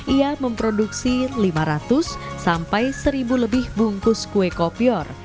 ia memproduksi lima ratus sampai seribu lebih bungkus kue kopior